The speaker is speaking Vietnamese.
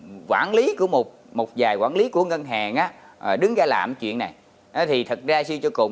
một quản lý của một một vài quản lý của ngân hàng á đứng ra làm chuyện này thì thật ra suy cho cùng